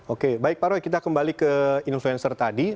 oke baik pak roy kita kembali ke influencer tadi